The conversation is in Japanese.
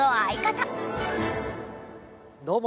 どうも。